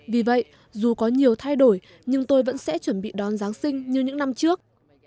vì vậy dù có nhiều thay đổi nhưng tôi vẫn sẽ chuẩn bị đón giáng sinh như những năm trước